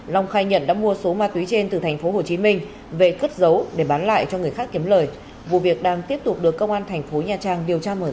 long khai nhận đã mua số ma túy trên từ tp hcm về cất giấu để bán lại cho người khác kiếm lời vụ việc đang tiếp tục được công an thành phố nha trang điều tra mở rộng